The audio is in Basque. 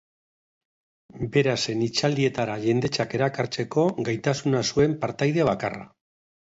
Bera zen hitzaldietara jendetzak erakartzeko gaitasuna zuen partaide bakarra.